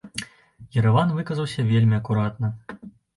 Ерэван выказаўся вельмі акуратна.